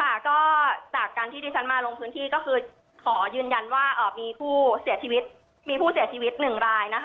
ค่ะก็จากการที่ที่ฉันมาลงพื้นที่ก็คือขอยืนยันว่ามีผู้เสียชีวิต๑รายนะคะ